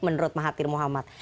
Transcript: menurut mahathir mohamad